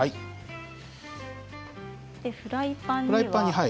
フライパンには。